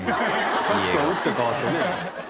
さっきとは打って変わってね。